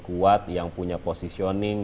kuat yang punya positioning